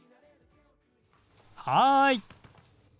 はい。